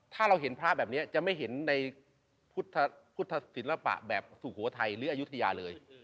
ถ้าเราเห็นพระแบบนี้จะไม่เห็นในพุทธศิลปะแบบสุโขทัยหรืออายุทยาเลย